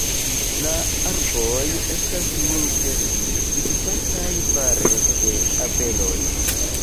La arboj estas multe vizitataj fare de abeloj.